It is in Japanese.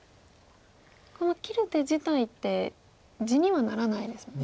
この切る手自体って地にはならないですもんね。